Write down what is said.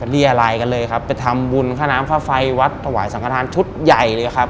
เรียรายกันเลยครับไปทำบุญค่าน้ำค่าไฟวัดถวายสังขทานชุดใหญ่เลยครับ